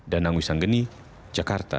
danang wisanggeni jakarta